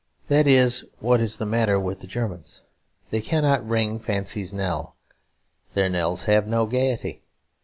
That is what is the matter with the Germans; they cannot "ring fancy's knell"; their knells have no gaiety.